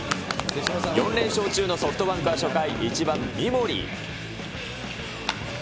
４連勝中のソフトバンクは初回、１番三森。